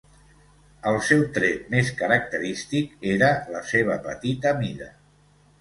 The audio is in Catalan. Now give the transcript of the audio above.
El seu tret més característic era la seva petita mida.